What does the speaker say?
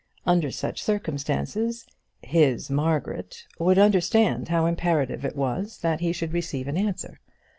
Under such circumstances, "his Margaret" would understand how imperative it was that he should receive an answer.